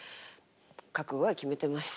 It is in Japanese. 覚悟は決めてます。